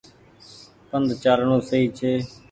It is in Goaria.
پند چآلڻو سئي ڇي۔